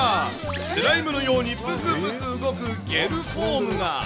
スライムのようにぷくぷく動くゲルフォームが。